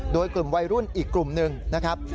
โดยกลุ่มวัยรุ่นอีกกลุ่มหนึ่งนะครับ